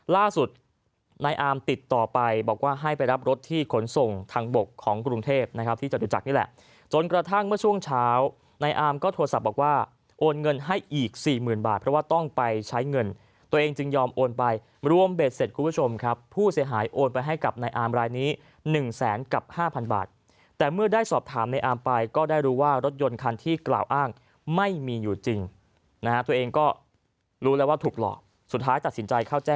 ล่าสุดนายอาร์มติดต่อไปบอกว่าให้ไปรับรถที่ขนส่งทางบกของกรุงเทพนะครับที่จดอยู่จากนี่แหละจนกระทั่งเมื่อช่วงเช้านายอาร์มก็โทรศัพท์บอกว่าโอนเงินให้อีกสี่หมื่นบาทเพราะว่าต้องไปใช้เงินตัวเองจึงยอมโอนไปรวมเบ็ดเสร็จคุณผู้ชมครับผู้เสียหายโอนไปให้กับนายอาร์มรายนี้หนึ่งแสนกับห้าพ